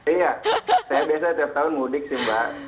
iya saya biasa setiap tahun mudik sih mbak